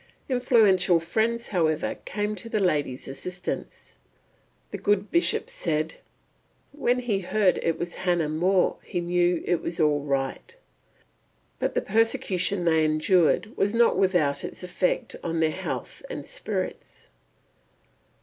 Influential friends, however, came to the ladies' assistance. The good Bishop said, "When he heard it was Miss Hannah More he knew it was all right." But the persecution they endured was not without its effect on their health and spirits.